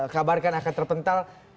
kabarkan akan terpental